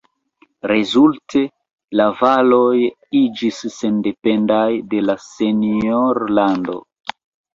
Rezulte, la valoj iĝis sendependaj de la senjor-lando.